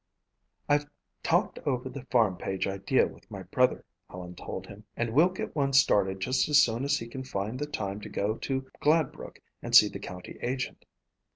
"I've talked over the farm page idea with my brother," Helen told him, "and we'll get one started just as soon as he can find the time to go to Gladbrook and see the county agent."